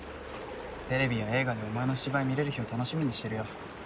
テレビや映画でお前の芝居見れる日を楽しみにしてるよ。